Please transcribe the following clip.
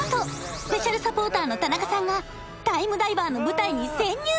スペシャルサポーターの田中さんがタイムダイバーの舞台に潜入！